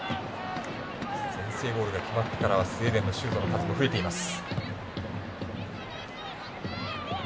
先制ゴールが決まってからスウェーデンのシュートの数が増えています。